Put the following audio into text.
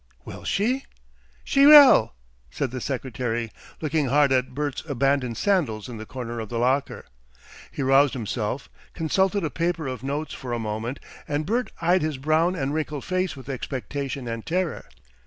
"Will she?" "She will," said the secretary, looking hard at Bert's abandoned sandals in the corner of the locker. He roused himself, consulted a paper of notes for a moment, and Bert eyed his brown and wrinkled face with expectation and terror.